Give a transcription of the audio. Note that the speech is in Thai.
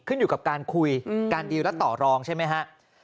ขึ้นอยู่กับการคุยการดีลและต่อรองใช่ไหมฮะ